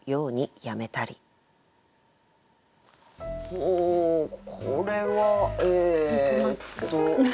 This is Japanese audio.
ほうこれはえっと。